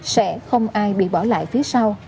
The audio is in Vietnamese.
sẽ không ai bị bỏ lại phía sau